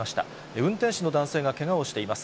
運転手の男性がけがをしています。